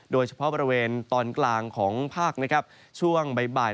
โดยเฉพาะบริเวณตอนกลางของภาคนะครับช่วงบ่าย